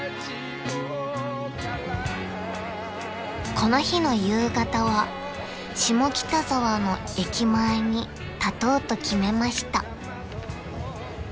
［この日の夕方は下北沢の駅前に立とうと決めました］